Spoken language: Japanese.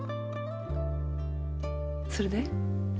それで？